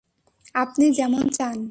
আপনি যেমন চান।